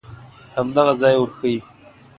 همدغه ځای ورښیې.